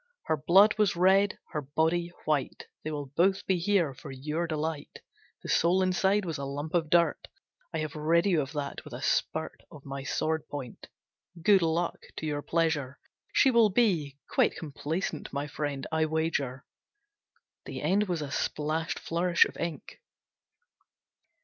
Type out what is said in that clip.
Her blood was red, her body white, they will both be here for your delight. The soul inside was a lump of dirt, I have rid you of that with a spurt of my sword point. Good luck to your pleasure. She will be quite complaisant, my friend, I wager." The end was a splashed flourish of ink.